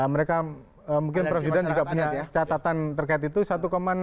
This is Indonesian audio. mereka mungkin presiden juga punya catatan terkait itu